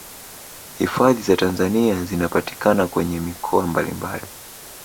hifadhi za tanzania zinapatikana kwenye mikoa mbalimbali